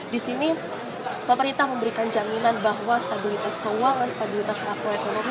di sini pemerintah memberikan jaminan bahwa stabilitas keuangan stabilitas makroekonomi